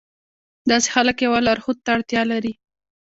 داسې خلک يوه لارښود ته اړتيا لري.